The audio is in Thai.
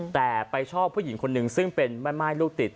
แต่ไปชอบผู้หญิงคนหนึ่งซึ่งเป็นแม่ม่ายลูกติด